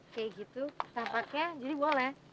kayak gitu tampaknya jadi boleh